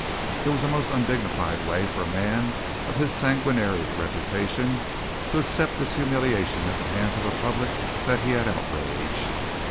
It was a most undignified way for a man of his sanguinary reputation to accept this humiliation at the hands of a public that he had outraged.